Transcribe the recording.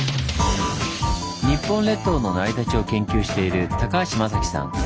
日本列島の成り立ちを研究している高橋雅紀さん。